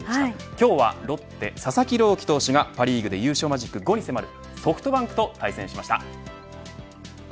今日はロッテ佐々木朗希投手がパ・リーグで優勝マジックに迫るソフトバンクと対戦しました。